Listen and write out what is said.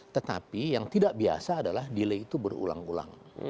tetapi yang tidak biasa adalah delay itu berulang ulang